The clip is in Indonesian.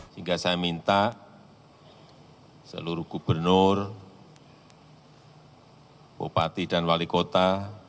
sehingga saya minta seluruh gubernur bupati dan wali kota